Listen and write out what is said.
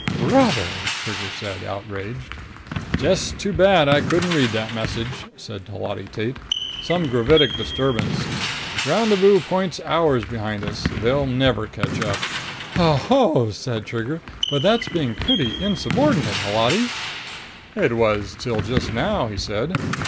"Brother!" Trigger said, outraged. "Just too bad I couldn't read that message," said Holati Tate. "Some gravitic disturbance! Rendezvous point's hours behind us. They'll never catch up." "Ho ho!" said Trigger. "But that's being pretty insubordinate, Holati!" "It was till just now," he said.